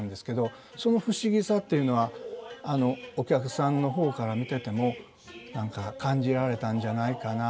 その不思議さっていうのはお客さんの方から見てても何か感じられたんじゃないかな。